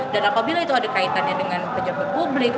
dan apabila itu ada kaitannya dengan pejabat publik